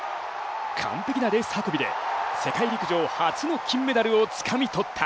完璧なレース運びで世界陸上初の金メダルをつかみ取った。